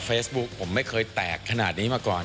ผมไม่เคยแตกขนาดนี้มาก่อน